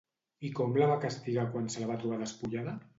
I com la va castigar quan se la va trobar despullada?